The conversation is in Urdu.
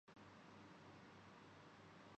یار، یہ بات میں اس کے منہ پر کہ دوں گی